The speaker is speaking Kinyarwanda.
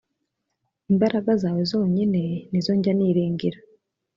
Imbaraga zawe zo nyine nizo njya niringira